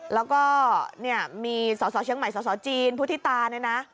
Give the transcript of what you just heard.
แล้วก็เนี่ยมีสสเชียงใหม่สสจีนพุทธิตาเนี่ยนะ